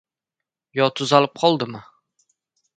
— Yo, tuzalib qoldimi?